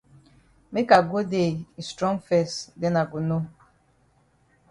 Make I go dey yi strong fes den I go know.